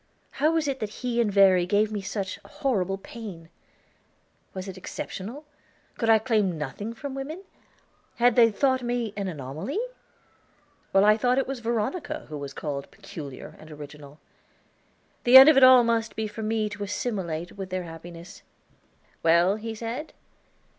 How was it that he and Verry gave me such horrible pain? Was it exceptional? Could I claim nothing from women? Had they thought me an anomaly? while I thought it was Veronica who was called peculiar and original? The end of it all must be for me to assimilate with their happiness! "Well?" he said.